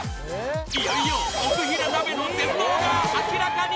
いよいよ奥平鍋の全貌が明らかに！